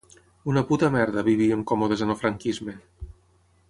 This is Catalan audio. Una puta merda, vivíem còmodes en el franquisme.